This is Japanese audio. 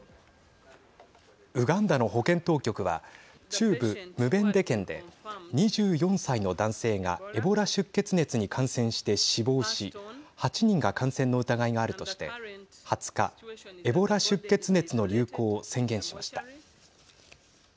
ウガンダの保健当局は中部ムベンデ県で２４歳の男性がエボラ出血熱に感染して死亡し８人が感染の疑いがあるとして２０日、エボラ出血熱の流行を宣言しました。